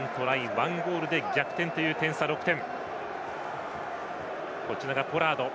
１ゴールで逆転という点差、６点。